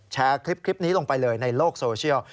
แชร์คลิปนี้ลงไปเลยในโลกโซเชียล